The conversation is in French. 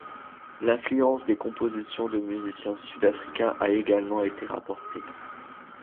L'influence des compositions du musicien sud-africain a également été rapportée.